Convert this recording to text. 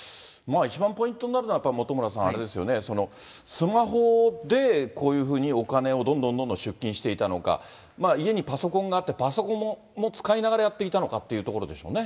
一番ポイントになるのは、やっぱり本村さん、あれですよね、スマホでこういうふうにお金をどんどんどんどん出金していたのか、家にパソコンがあって、パソコンも使いながらやっていたのかっていうところですよね。